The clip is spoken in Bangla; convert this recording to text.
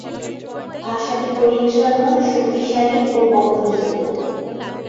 ভাষাটি পরিচ্ছন্ন, শক্তিশালী ও বহনযোগ্য।